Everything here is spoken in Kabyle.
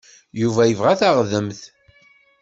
Yuba yebɣa taɣdemt.